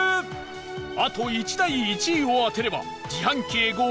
あと１台、１位を当てれば自販機へゴー！